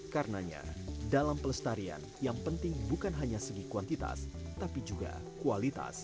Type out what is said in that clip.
karenanya dalam pelestarian yang penting bukan hanya segi kuantitas tapi juga kualitas